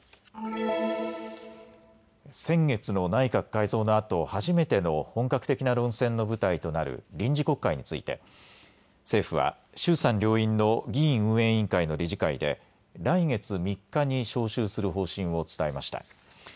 先月の内閣改造のあと初めての本格的な論戦の舞台となる臨時国会について政府は衆参両院の議院運営委員会の理事会で来月３日に召集する方針を伝えました。